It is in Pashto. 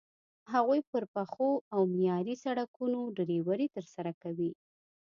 هغوی پر پخو او معیاري سړکونو ډریوري ترسره کوي.